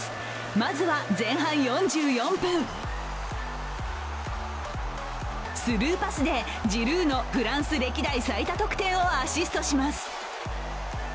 まずは前半４４分スルーパスでジルーのフランス歴代最多得点をアシストします。